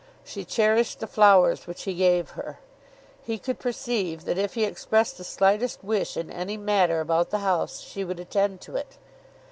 She cherished the flowers which he gave her. He could perceive that if he expressed the slightest wish in any matter about the house she would attend to it.